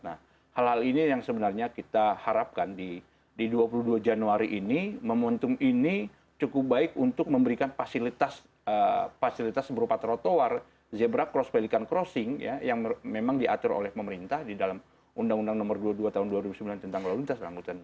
nah hal hal ini yang sebenarnya kita harapkan di dua puluh dua januari ini momentum ini cukup baik untuk memberikan fasilitas berupa trotoar zebra cross pelikan crossing yang memang diatur oleh pemerintah di dalam undang undang nomor dua puluh dua tahun dua ribu sembilan tentang lalu lintas